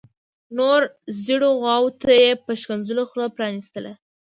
نو زیړو غواوو ته یې په ښکنځلو خوله پرانیستله.